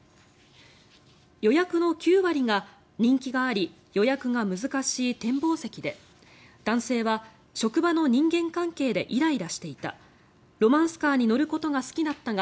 予約の９割が人気があり予約が難しい展望席で男性は、職場の人間関係でイライラしていたロマンスカーに乗ることが好きだったが